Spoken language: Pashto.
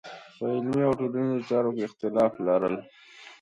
په علمي او ټولنیزو چارو کې اختلاف لرل.